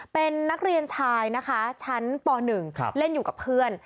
เป็นนักเรียนชายนะคะชั้นป๑เล่นอยู่กับเพื่อน